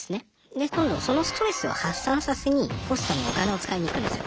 で今度そのストレスを発散させにホストにお金を使いに行くんですよ。